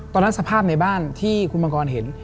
สภาพในบ้านที่คุณมังกรเห็น